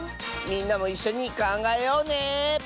みんなもいっしょにかんがえようね。